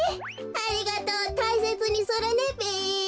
ありがとうたいせつにするねべ。